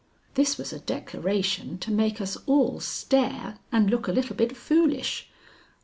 This was a declaration to make us all stare and look a little bit foolish.